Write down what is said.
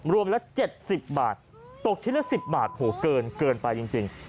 ละ๗๐บาทตกชิ้นละ๑๐บาทโหเกินไปจริง